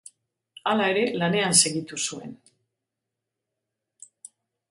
Hala ere, lanean segitu zuen.